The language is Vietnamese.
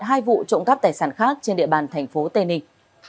hai vụ trộm cắp tài sản khác trên địa bàn tp tây ninh